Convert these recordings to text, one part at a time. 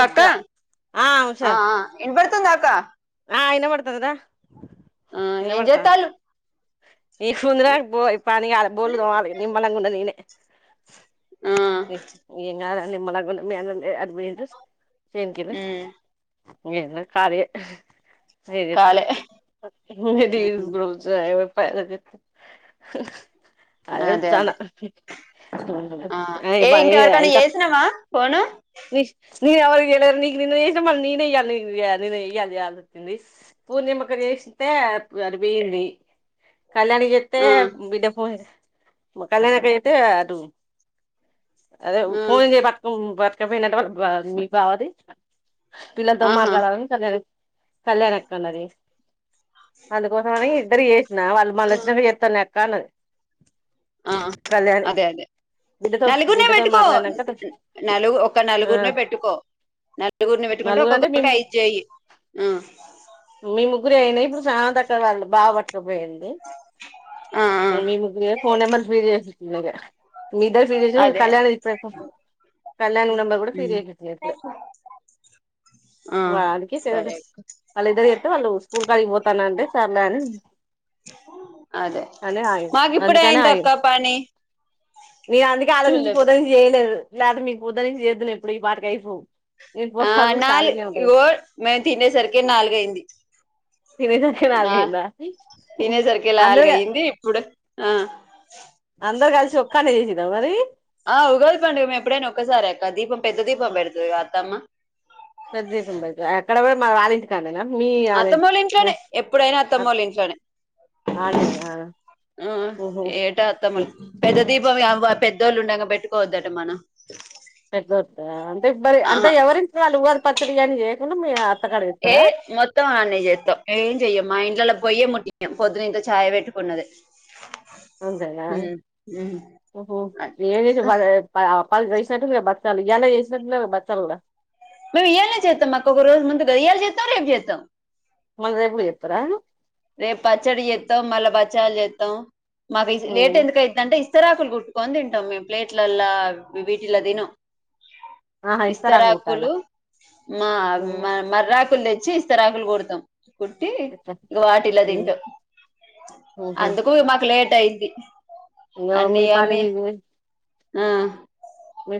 ఆ ఉష ఆ అక్క ఆ ఇనబడుతున్నదా ఆ ఏం చేేతాలు నీకు ఉంది గాని పో ఇప్పని కలే బోర్లు తోమాలి నిమ్మళంగున్న నేనే ఆ ఏం నిమ్మళంగున్న [inaudible] చేనుకిర్రా ఉమ్ నేనుకూడా ఖాలీయే అదితు కాలే [inaudible] పద [inaudible] అదే అదే ఆ ఏ ఇంకెవరికైనా చేసినామా ఫోను నీ నేను ఎవరిళరు నీకు నిన్న చేసిన మళ్ళీ నేనే వెయ్యాలి నిన్నను వెయాలి అ వచ్చింది పూర్ణిమక్క చేస్తే అదిపోయింది కళ్యాణీ చెత్తే ఆ బిడ్డ పో మొక్కజొన్నకైతే అటు అదే ఆ పోన్ చెయ్ [unintelligible] ఇకపోయినంత వాళ్ళ బా బావది పిల్లల్తో ఆహా మాట్లాడాలని కొన్నరు కళ్యాణ అక్కనది అందుకోసంమని ఇద్దరికి చేసిన వాళ్ళు మళ్ళ వచ్చినప్పుడు చెస్తా కార్నర్ ఆ అదే అదే బిడ్డతో నలుగుర్నె బిడ్డతో పెట్టుకో మాట్లాడినాక నలుగు ఒక ఆ నలుగురినే పెట్టుకో నలుగురిని పెట్టుకుంటే నలుగురు అంటే ఒక్కొక్కరికి మేము ఐ చెయి మీ ముగ్గురు రైనే ఇప్పుడు సామాంతక్క వాళ్ళ బావ కుపోయింది ఆ ఆ మీ ముగ్గు [inaudible] ఫోన్ నెంబర్ ఫీడ్ చేస్ ఇనగా మీ ఇద్దరు పెళ్లి చేసేటప్పుడు అదే కళ్యాణి [inaudible] కళ్యాణి ఉమ్ పీరియడ్లు చేత్లో ఆ సరే అక్క అదే అని ఆయదు మాకు ఇప్పుడే అందుకని ఆయ అయిందక్క పని నేను అందుకే ఆలోచించి చూడలేదు పోతేనే చేయలేదు లేతే మీకు పొద్దనుంచి చే ఎప్పుడో ఈ పాటకి అయిపోవు నేను ఆ పోసాగులు నాలు ఖాళీనే ఉంటది ఇగో మేము తినేసరికే నాలుగయింది తినేసరికి నాలుగైందా తినేసరికి అందరు లాలుగైంది ఇప్పుడే అందరు కలిసి ఒక్కనే చేసిరా మరి ఆ ఉగాది పండుగ మే ఎప్పుడైనా ఒక్కసారే అక్క దీపం పెద్దదీపం పెడతదిగా అత్తమ్మ పెద్ద దీపం పెట్టు ఎక్కడ పెడ్ మళ్ళా వాళ్ళింటి కాడ్నేనా అత్తమ్మోళ్ళింట్లోనే ఎప్పుడైనా అత్తమ్మోళ్ళింట్లోనే ఆడనే ఆ ఓహో ఏటా అత్తమ్మ వా పెద్దోళ్ళు ఉండగా పెట్టుకోవద్దట మనం [unintelligible] అంటే ఇప్పడి అంటే ఆహా ఎవరింటికి వాళ్ళు ఉద పచ్చడి అని [unintelligible] ఏ మొత్తం ఆడ్నే చెత్తవ్ పొద్దునింత ఛాయ పెట్టుకున్నది అంతేనా ఏం చేసి అ బాధ చెప్పల్లా వాళ్ళు వేసినట్టు మే బతకాలి ఇయాలా చేసినట్టున్నరుగా బచ్చాళ్లు గూడ మేము ఈయాలే చెత్తాం మాకు ఒక రోజ మందుగా ఇయలా చెత్తాం రేపు చెత్తాం మళ్ళ రేపు కూడా చెత్తారా రేపు పచ్చడి చేత్తవు మళ్ళ బచ్చాలు చే తవు మరీ జ్ లేట్ ఎందుకు అయిద్దంటే ఇస్ ఇస్తరాకులు కుట్టుకొని తింటాం మేము ప్లేట్లల్లో వీటిలో తినం ఆహా ఇస్తారా కుట్టాల ఇస్తరాకులు మా మ మర్రాకులు తె చే ఇస్తరాకులు కుడుతాం కుట్టి వాటిలో ఇంగ తింటాం అందుకు మాకు లేట్ టైయ్యింది ఇంగో మీ పని మీర్ చే ఆ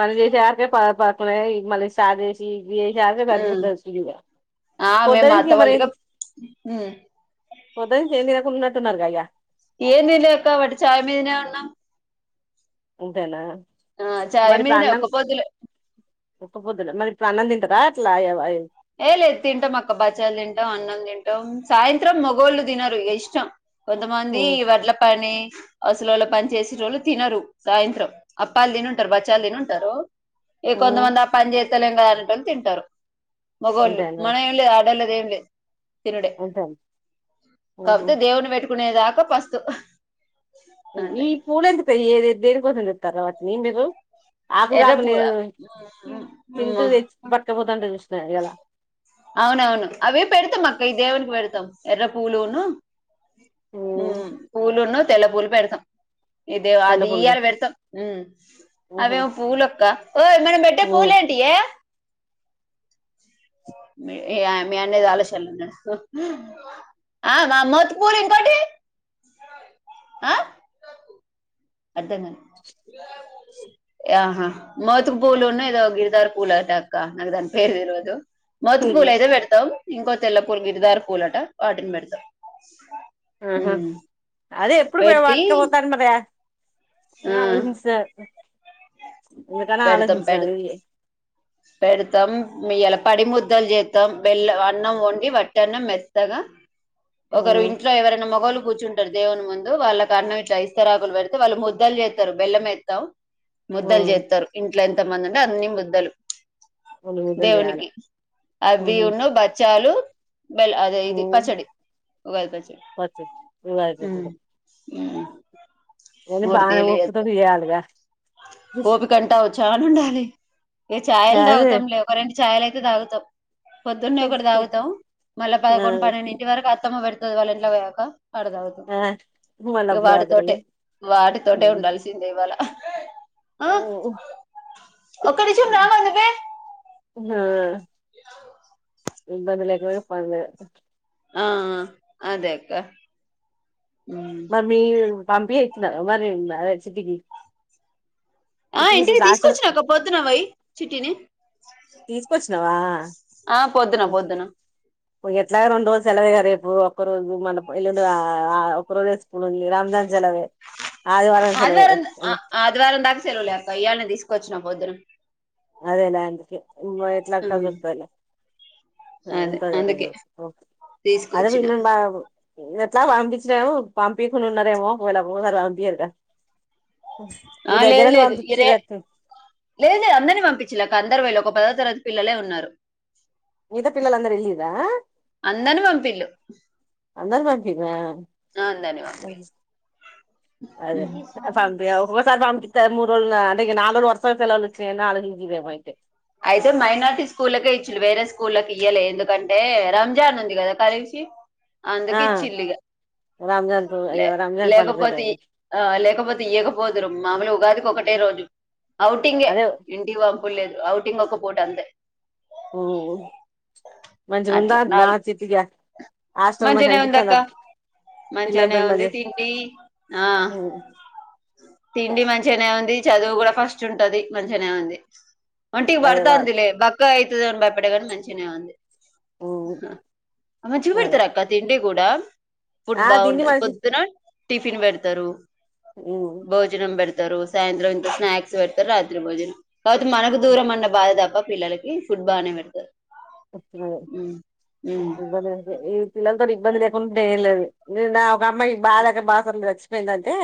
పని చేసే ఆకే ప పక్కలో మళ్ళీ సాధేసి ఇది చేసే యాలకే ఉమ్. సరిపోతాది ఇంగా ఆ, పొద్దు మేము మా నుంచి అత్త మరి ఏ వాళ్ళుగా పొద్దు నుంచి ఏం తినకున్నట్టు సున్నారు గయ ఏమి లేక వాటి ఛాయమీదనే ఉన్నాం అంతేనా ఆ చాయ్ మీదనే ఒక్క పొద్దులే ఒక్కపొద్దులు మరి ఇప్పుడు అన్నం తింటాదా అట్లా యావ్ యావ్ ఏ లేదు తింటాం అక్క బచ్చాలు తింటాం అన్నం తింటాం సాయంత్రం మగోళ్ళు తినరు ఇష్టం కొంతమంది ఉమ్, వడ్ల పని అసలు వాళ్ళ పని చేసేటోల్లు తినరు సాయంత్రం అప్పాలు తినుంటారు బచ్చాలు తినుంటారు ఏ ఉమ్, కొంతమంది ఆ పని చే [inaudible] అంటారు తింటారు మొగోళ్ళు అంతేనా మనం ఏం లేదు ఆడోళ్ళది ఏం లేదు తినుడే అంతే కాపోతే దేవుని పెట్టుకునే దాకా పస్తు అంతే ఉమ్ దేని కోసం తెత్తారు వాటిని మీరు ఎర్ర ఆకుకాకు పూల లేదు తింటూ తెచ్చి పట్టకపోతుండ జెస్ట్ స ఎలా అవునవును అవే పెడతాం అక్క ఈ దేవునికి పెడతాం ఎర్ర పూలును ఉ పూలును తెల్ల పూలు పెడతాం ఇదేవి తెల్ల అది పూలు ఇయ్యర్ పెడతాం ఉహు. అవేవో పూలొక్క ఓయ్ ఇక్కడ పెట్టేయ్ పూలేంటియే మీయ మీయన్నది ఆలోసన్లు నడుసు అర్ధం గాల ఆహా మోతుకు పూలును ఏదో గిర్దర్ పూలటక్క నగ్ దాన్ పేర్ దెల్వాదు మోతుకు ఉమ్. పూలైతే పెడ్తాం ఇంకో తెల్లపూలు గిరిధార్ పూలట వాటిని పెడతాం మ్ హు అది ఎప్పుడు [unintelligible] పెట్టి పట్కపోతారు అన్నదే ఏ ఆ ఆలోచించలె [unintelligible] ఇందుకానా పెడతాం పెడతాం ఆలోచించించయి పెడతాం ఇయలా పడి ముద్దలు చేస్తాం వెల్ళ అన్నం వండి వట్ట అన్నం మెత్తగా ఆ ఒకరు ఇంట్లో ఎవరైనా మొగోళ్ళు కూర్చుంటారు దేవుని ముందు వాళ్ళకి అన్నం ఇట్లా ఇస్తరాకులు పెడితే వాళ్ళు ముద్దలు చేస్తారు బెల్లం ఎస్తాం ఆ ముద్దల్ చేస్తారు ఇట్లా ఎంత మంది అండి అన్ని ముద్దలు రెండు ముద్దలు చేయాలి దేవునికి అవి ఉహు ఉన్న బచ్చాలు బెల్ అదే ఊ ఇది పచ్చడి ఉగాది పచ్చడి నేను మూడు బాగానే తీర్లు ఒప్పుతో చేస్త చేయాలిగా ఓపికంటావు చాల ఉండాలి ఏ ఛాయిలు త అదే అవతాం లే ఒక రెండు ఇ చాయల అయితే తాగుతా పొద్దున్నే ఒకటి తాగుతాం మళ్ళీ ఆ పదకొండు పన్నెండుడింటి వరకు అత్తమ పెడ్ అ వాలెంట్లా పోయాక అడద అవుతా ఆ మళ్ళీ ఇక అప్పుడు వాటితోట ఆగుతారుగా వాటితోట ఉండాల్సిందే ఇవాళ ఓఓ ఒకక్కడి చెప్పు రాందు ఇబందులే ఎకువగా పనులే ఆ అదేక్క మరి మీ పంపిపీ మరి మార చిటీకి ఆ ఇంటికి తీసుకొచ్చిినక పొద్దున అై చుట్టిని తీజ ప చ ఆ పోొద్దునా పోొద్దునా ఎట్లాగ రెండు రోజు సెలవేగా రేపు ఒక్కరోజు మన ఇళ్ళుండదా ఆ ప్రదస్ ప రామ్ దాన్ జరిపి ఆదివారం ఆదివారందాకా సెలవు లే ఇటన తీసు కచ్చిన పొద్దున అదేలా అందుకే ఎట్లా కదులుతది అదే అందుకే ఎఓ అదిన్న తీసుకొచ్చిన బా ఇదట్లా పంపించినం పంపికు ఉన్నారేమో పోయిలా పోసర వాంపక ఆ లేదు లేదు ఇ రే లేదు లేదు అందరిని మ పిచ్చిలలకు అందరు వళ్ళు ఒక పదో తరగతి పిల్లలే ఉన్నారు ఇద పిల్లల అందరు వెళ్ళిరా అందని పంపిలుు అంద మాతనా పంపిళ్ళు అదే పంపి ఒసారి ఫ యురుళ్ళ అంటే నాలుళ వసాల తెలచ్చ నాలుగు హింగిమయితే అయితే మైనార్టీ స్కూళ్ళకే ఇచ్చలే వేరే స్కూళ్ళకి ఇయ్వలే ఎందుకంటే రంజాన్ ఉంది కదా కలిసి ఆ అందుకే చిల్లిగా రంజాన్ కు లే అయ్యో రంజాన్ లేకపోతే పండగ ఆ లేకపోతే ఇయకపోదురు మామూలు ఉగాదికి ఒక రోజు ఔటింగే అదే ఇంటి వం లేదు అవుట్ ఇంక ఒక పూట ఉంది ఓ మంచిగుందా అట్లా నా నాలు చిట్టిగా హాస్టల్ మంచిగా మంచిగానే ఉంది అక్క అనిపిత్తందా మంచిగానే పిల్లలతోని ఉంది మంచిగా తిండి ఆ ఉమ్ తిండి మంచిగానే ఉంది. చదువు కూడా ఫస్ట్ ఉంటది మంచిగానే ఉంది ఒంటికి అదే బర్తా వా అందిలి బక్క యితే భయపడవ మంచిషునే వంది ఉమ్ అ మ జు అదే పెడతారా అక్క తిడి కూడా ఫుడ్ ఆ తిండి బాగుంటది మంచి పొద్దున్నే టిఫిన్ పెడతారు ఉమ్ భోజనం పెడత్ రు సాయంత్రం ఇంత స్నాక్స్ పెడతారు రాత్రి భోజన అ మ దూరమన్న బాధదాప పిల్లకి ఫుట్బా అనే పెడతారు ఉమ్ ఉమ్ ఇ ఏ పలా ఇబ్బంది ఇబ్బంది లేకుంటే ఏం లేదు నిన్న ఒక అమ్మాకి బాధక బాసదవ సచ్చిపోయిందంటే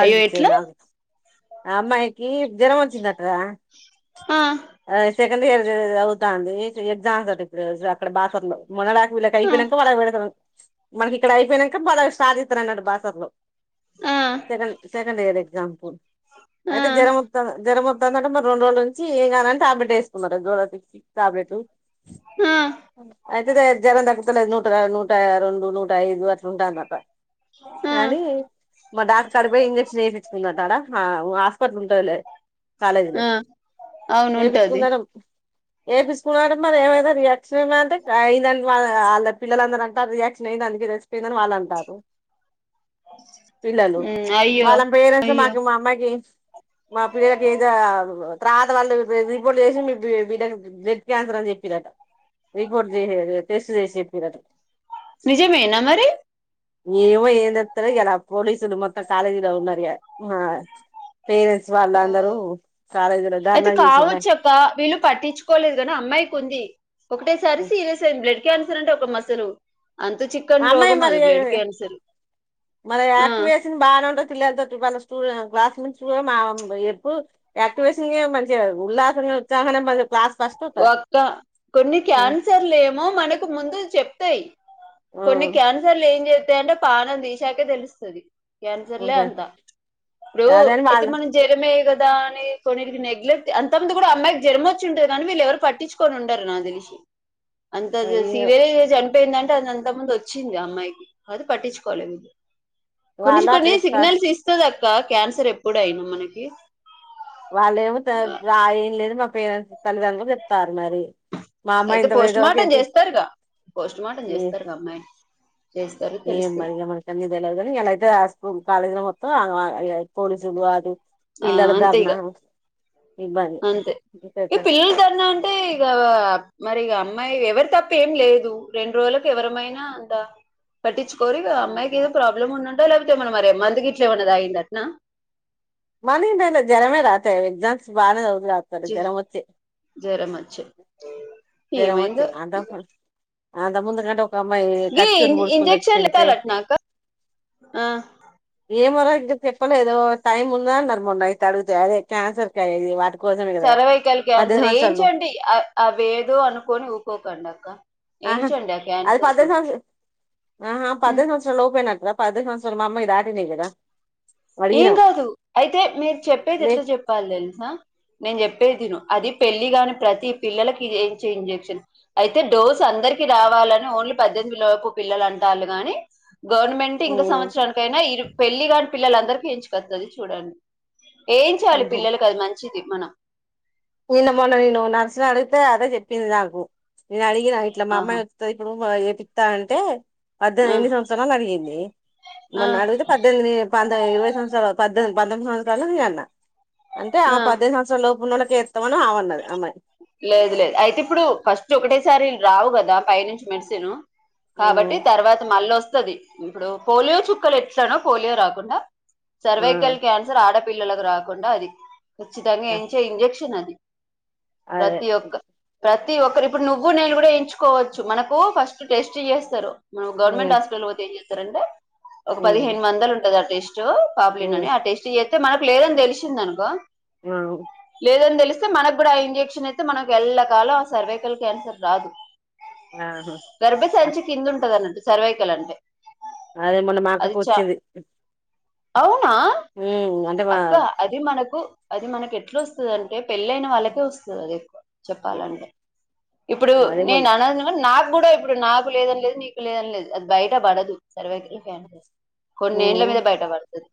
అయ్యో ఎట్లా నాకు అమ్మాయికి జ్వరం వచ్చిందట్రా ఆ సెకండ్ ఇయర్ చదు అవుతంది ఎజాన్ ఇడ అక్కడ బా లో మనళాకు విల ఆ కైపినంకు వాళకు వెడతడు మనకి ఇక్కడ అయిపోనాక బాగా సాధితన అన్నాడు బాసర్ లో ఆ సగం సగ లే ఎగ్జాపుల్ ఆ అయితే జ్వర ముతా జ్వర మ తన్నడంలో రెండు రోజుల నుంచి ఏగా అంట టాబ్లెట్ వేసుకున్న రెండో రోలునుంటి టాబ్లెటు హమ్ అయితే జ్వరం దక్కుతాలే నూట నూట రెండు నూట ఐదు అట్లా ఉంటుందట ఆ కానీ మా డాక్ట కడిపోయి ఇంజెక్షన్ ఎపిచ్చుకుని ఉంటాడా ఆ అవును ఉంటది ఏ విస్కుల్ మరి ఏమైనా రియాక్షన్ అంటే అయిందనికి ఆళ్ళ పిల్లందర అంట రియాక్షన్ అయింది అందుకే కిందన వాళ్ళు అంటారు ఉమ్ అయ్యో అయ్యో తర్వాత వాళ్ళు రిపోర్ట్ చేసి మీ బ బ్లడ్ క్యాన్సర్ అని చెప్ప చెట రిపోర్ట్ చేసే టెస్ట్ చేసే పిరట నిజేమేనా మరి ఏమో ఏంతెత్తరో ఇయాలా పోలీసులు మొత్తం కాలేజీలో ఉన్నరు ఇగ పేరెంట్స్ వాళ్ళు అందరూ కాలేజీలో ధర్నా చేసిన్లే హు ఒకటేసారి సీరియస్ అయింది బ్లడ్ న్సర్ అంటే ఒక మస్సలు ఆ అమ్మాయి మరి మరి ఆ యాక్ట్ వేసింది బాగానే ఉంటది పిల్లలతోటి వాల్ల క్లాస్ నుంచి ఎప్పుడు యాక్టివేషన్ మంచిగా ఉల్లాస ఉత్సాహణ మ ఒక్క తె ఆ కొన్ని క్యాన్సర్లు ఏం చేస్త తంట పానం తీశాకే తెలుస్తుది క్యాన్సర్లే ఉంటది అంతా ఇప్పుడు అదని అయితే వాళ్ళు మనం జ్వరమేయ్య కదా అని కొకి నెగలెక్ట్ అంతంది కూడా అమ్మాయికి జన్మ వచ్చి ఉంటుది కానీ వీళ్ళు ఎవరు పట్టిచ్చుకొని ఉండరు నాకు తెలిసి అంత ఈ సవేర జం అంత గడ్డి, ఆ గడ్డి పక్క పొంటి మొత్తం మొత్తం రోడ్డు ఉన్నది కొంచ వాళ్ళు అట్లా కొన్ని చెప్తారు సిగ్నల్స్ ఇస్తుంది ఇ క్యాన్సర్ ఎప్పుడ అయినా మనకి వాళ్ళ ఏమ రా ఏం లేదు మా పేరట్స్ తల్లుదండ్రులకు చెప్తారు మరి మా అమ్మాయి అయితే ఇంత పోస్ట్మార్టం వేగవా చేస్తారుగా పోస్ట్మార్టం చేస్తారుగా అమ్మాయిని చేస్తారు ఏం తెలుస్తది మరిగా మనకు అన్ని తెలువది కానీ ఇయ్యాల అయితే ఆ స్కూల్ కాలేజ్ లో మెత్త పోలీసులు అది ఆ పిల్లల అంతే ఇగ ధర్నా ఇబ్బంది అంతే ఈ పిల్లల ధర్నా అంటే ఇక మరి ఇగ అమ్మాయి ఎవరి తప్ప ఏం లేదు రెండు రోజులలకు ఎవరమైనా అంతా పట్టించు కోరు ఇగ ఆ అమ్మాయికి ఏదో ప్రాబ్లమ్ ఉన్నా లేపోతే మన మరిే మందు గిట్లే ఏం అన్న తాగింది అట్నా మనీం జ్వరమే రాత ఎగ్జామ్స్ బాగానే జరం వచ్చే జ్వరం వచ్చి జరం వచ్చి ఏమైందో అంత అంత ముందు కంటే ఒక ఇ అమ్మాయి గీ కత్తి తోటి ఇన్ పొడుచుకుని ఇంజెక్షన్లు చచ్చిపోయిండు తే ఎత్తాలట్నాక ఏమో రా ఇంకా చెప్పలే ఏదో టైమ్ ఉందన్నది అన్నారు మొన్న అయితే అడుగుతే అదే క్యాన్సర్ క అయి వాటికి సర్వైకల్ క్యాన్సర్ ఏంచండి అ వేదుో అన్ అను కొని ఊకో కండాక్క ఆహ అది పద్దెంది సంవత్సరలా లోపేనట్రా పద్దెంది సంవత్సరాలు మామ్మ ఈ దాటినాయి కదా ఏం అడిగినాం కాదు అయితే మీరు చెప్పేది లే ఎట్లా చెప్పాలి తెలుసా నేను చెప్ చెప్పేది విను అది పెళ్లిి గాని ప్రతి పిల్లలకి ఏంచే ఇంజక్షన్ అయితే డోసు అందరికి రావాలని ఓన్లీ పద్దెనిమిదిిలకు పిల్లలు అంటాళ్ళు గాని గవర్నమెంట్ ఇంక సంవత్సరానికైనా ఇరు పెళ్లి కాని పిల్లలందరికి ఎంచుకతది చూడండి ఎయించాలి ఓహో పిల్లలకు అది మంచిది మన నిన్న మొన్న నిను నరసిన అడితే అదే చెప్పింది నాకు నిను అడిగిన ఇట్లా మా అమ్మాయి ఆహా వాత్తది ఇప్పుడు ఎపి యిత్త అంటే పద్దెనిది ఎన్ని ఆ సంవత్సరాలు అడిగింది ఆ మొన్న అడిగితే పద్దెనిమిది పన్ ఇరవై సంవత్సరాలు మీ పద్దే పద్దెనిమిది సంవత్సరాల మీ అన్న అంటే ఆ పద్దెనిమిది సంవత్సరం లోపలా తవన ఆవన్నది అమ్మాయి లేదు లేదు అయితే ఇప్పుడు ఫస్ట్ ఒకటేసారి రావు కదా పైనుంచి మెడిసిన్ కాబట్టి ఉమ్ తర్వాత మళ్ళొస్త ది ఇప్పుడు పోలియో చుక్కలు ఎట్లానో పోలియో రాకుండా ఆ సర్వైకల్ క్యాన్సర్ ఆడ పిల్లలకు రాకుండా అది కచ్చితంగా ఏయించే ఇంజెక్షన్ అది ఆ అదే ప్రతి ఒక్క ప్రతి ప్రతి ఒకరు ఇప్పుడు నువ్వు నేను కూడా వేయించుకోవచ్చు మనకు ఫస్ట్ టేస్ట్ చేస్తారు ఆ గవర్నమెంట్ హాపిటల్కి పోతే ఏంచేస్ ఇం [unintelligible] ఒక ఉమ్ పదిహేను మందలు ఉంటది ఏష్ సో పాబ్లి ఉమ్ ననే ఆ టేస్ట్ ఎ అయితే మనకు లేదని తెలిసషిందనుకో అవ్ లేదని తెలిస్తే మనకు కూడా ఆయన చె క్షన్ అయితే మనకు ఎళ్ల కాలం సర్వైకల్ క్యాన్సర్ రాదు ఆ ఆహా అ గర్భసంచి కింద ఉంటద అన్నది సర్వైకల్ అంటే అదే మొన్న మాక్కకు వచ్చింది అవ్ నా ఉమ్ అంటే మా అక్క అది మనకు అది మనకి ఏట్లోస్తది అంటే పెళ్ళైన వాళ్ళకే వస్తు సరే ఉమ్ చెప్పాలంటె ఇప్పుడు అదే మొన్న నేను అన్నది నాకు నాకు కూడా ఇప్పుడు నాకు లేదని లేదు నీకు లేదని లేదు అది బయట పడదు సర్వైకల్ క్యాన్సర్ కొన్ని ఏళ్ల మీద బయట బడుతంది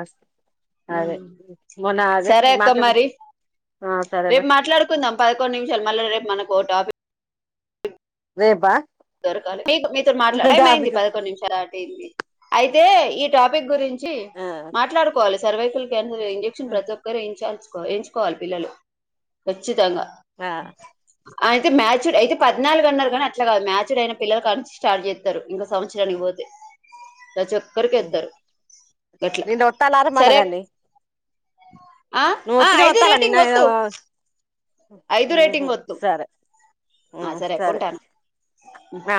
అస్ అదే మొన్న అదే సరే అక్క మాటలు మరి రేపు మాట్లాడుకుందాం పదకొండు నిమిషాలు మళ్ళ రేపు మనకో టాపిక్ రేపా దొరకాలి మీక్ మీతో మాట్లాడే టైమ్ అయింది టాపిక్ పదకొండు నిమిషాలు దాట్ పేయింది అయితే ఈ టాపిక్ గురించి ఆ వచ్చి మాట్లాడుకోవాలి. సర్వే పుల్ క్యాన్ ఈ ఇంజెక్షన్ ప్రతి ఒక్కరూ ఏయించాల్ కో ఎంచుకోవాలి పిల్లలు ఖచ్చితంగా ఆహ్. అయితే మ్యాచ్డ్ అయితే పద్నాలుగు అన్నారు కానీ అట్లా కాదు మ్యాచ్. మెచూడ్ అయిన పిల్లలు కానించి స్టార్ట్ చేస్తారు ఇంకో సంవత్సరానికి పోతే. ప్రతీ ఒక్కరికి ఎత్తారు గట్ల నిన్న వత్తాలారా మళ్ళా సరే అక్ దాన్ని నువ్వు ఒత్తిన ఒత్తాలా నిన్న రేటింగ్ వద్దు హైదరాబాద్ ఐదు ఉమ్ రేటింగ్ హుహు వద్దు సరే ఆ ఉమ్ సరే కొంటాను ఆ.